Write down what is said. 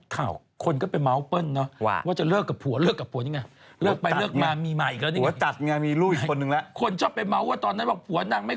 ก็คนโน่นาเเบี่ยแด้ผู้ชายแล้วไง